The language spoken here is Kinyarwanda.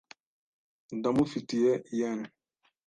Ndamufitiye yen .